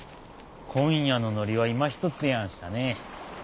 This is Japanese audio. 今夜のノリはいまひとつでやんしたね。